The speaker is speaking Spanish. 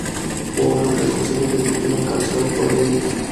Por lo que el Consejo Directivo, encabezado por el Lic.